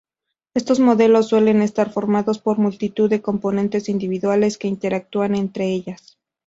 Estos modelos suelen estar formados por multitud de componentes individuales que interactúan entre ellas.